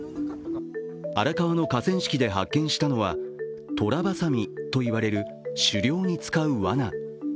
荒川の河川敷で発見したのはトラバサミといわれる狩猟に使うわな。